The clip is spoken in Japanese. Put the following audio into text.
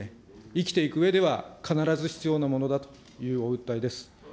生きていくうえでは、必ず必要なものだというお訴えです。